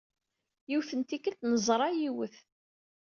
Yiwet n tikkelt, neẓra yiwet.